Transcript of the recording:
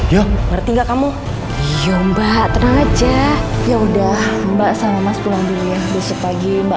ya ngerti gak kamu iyo mbak tenang aja ya udah mbak sama mas pulang dulu ya besok pagi mbak